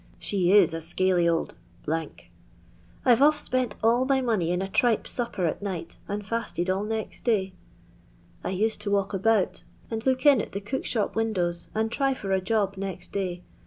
She i$ a scaly old ./ 'w ofl spent all my money in a tripe tupper at night, and fatted all next day. I used to walk about and look in at the cook shop windows, and try for a job next day.